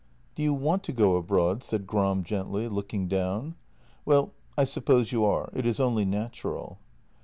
"Do you want to go abroad?" said Gram gently, looking down. " Well, I suppose you are; it is only natural."